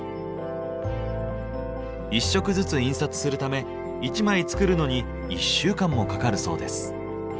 １色ずつ印刷するため１枚作るのに１週間もかかるそうです。